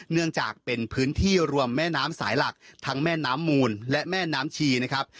เนื่องจากเป็นพื้นที่รวมแม่น้ำสายหลักทั้งแม่น้ำมูลและแม่น้ำชีนะครับ